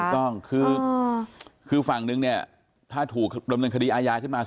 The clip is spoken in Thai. ถูกต้องคือฝั่งนึงเนี่ยถ้าถูกดำเนินคดีอาญาขึ้นมา